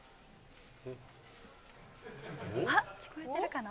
聞こえてるかな？